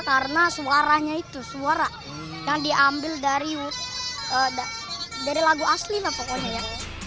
suka karena suaranya itu suara yang diambil dari lagu aslinya pokoknya ya